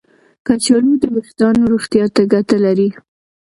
کچالو د ویښتانو روغتیا ته ګټه لري.